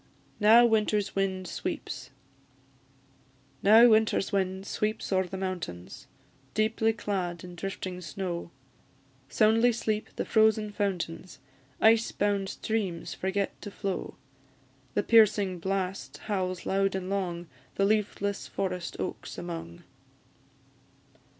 NOW WINTER'S WIND SWEEPS. Now winter's wind sweeps o'er the mountains, Deeply clad in drifting snow; Soundly sleep the frozen fountains; Ice bound streams forget to flow: The piercing blast howls loud and long, The leafless forest oaks among.